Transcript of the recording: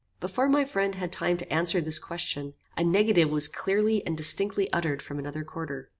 Before my friend had time to answer this question, a negative was clearly and distinctly uttered from another quarter.